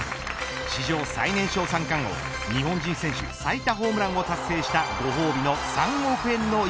史上最年少三冠王日本人選手最多ホームランを達成したご褒美の３億円の家。